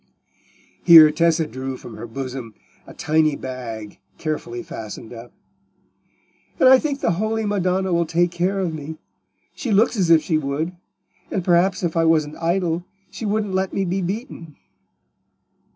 Here Tessa drew from her bosom a tiny bag carefully fastened up. "And I think the holy Madonna will take care of me; she looks as if she would; and perhaps if I wasn't idle, she wouldn't let me be beaten."